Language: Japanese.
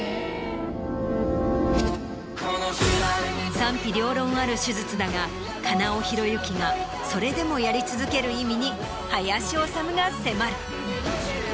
賛否両論ある手術だが金尾祐之がそれでもやり続ける意味に林修が迫る。